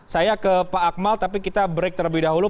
saya ke pak akmal tapi kita break terlebih dahulu